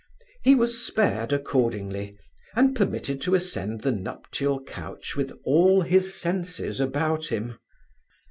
He was spared accordingly, and permitted to ascend the nuptial couch with all his senses about him.